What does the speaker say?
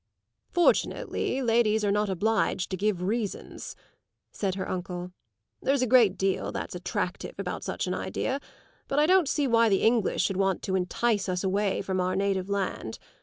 "Fortunately ladies are not obliged to give reasons," said her uncle. "There's a great deal that's attractive about such an idea; but I don't see why the English should want to entice us away from our native land.